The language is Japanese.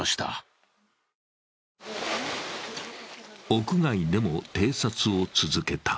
屋外でも偵察を続けた。